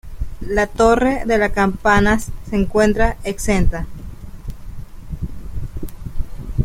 La torre de las campanas se encuentra exenta.